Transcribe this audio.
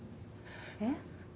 えっ？